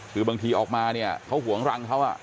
คือบางทีออกมาเนี่ยเขาห่วงรังเขา